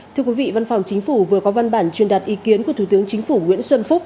thưa quý vị văn phòng chính phủ vừa có văn bản truyền đạt ý kiến của thủ tướng chính phủ nguyễn xuân phúc